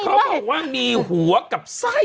เขาบอกว่ามีหัวกับไส้